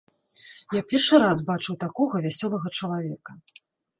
Я першы раз бачыў такога вясёлага чалавека.